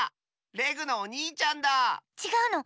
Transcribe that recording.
レグのおにいちゃんだ！ちがうの。